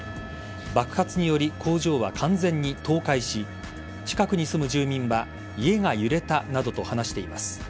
爆発により工場は完全に倒壊し近くに住む住民は家が揺れたなどと話しています。